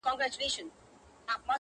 خو بيا هم پوښتني بې ځوابه پاتې کيږي تل